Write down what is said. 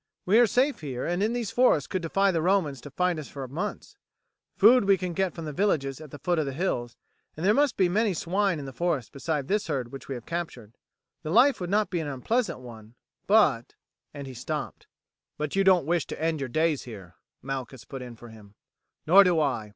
"We are safe here, and in these forests could defy the Romans to find us for months. Food we can get from the villages at the foot of the hills, and there must be many swine in the forest beside this herd which we have captured. The life will not be an unpleasant one, but " and he stopped. "But you don't wish to end your days here," Malchus put in for him, "nor do I.